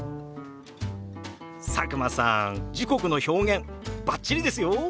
佐久間さん時刻の表現バッチリですよ！